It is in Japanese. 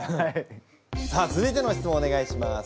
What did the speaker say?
さあ続いての質問をお願いします。